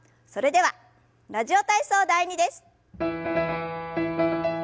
それでは「ラジオ体操第２」です。